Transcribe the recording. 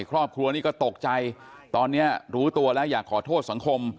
ครอบครัวนี้ก็ตกใจตอนนี้รู้ตัวแล้วอยากขอโทษสังคม